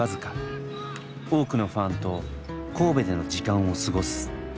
多くのファンと神戸での時間を過ごす。